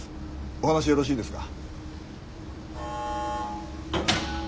お話よろしいですか？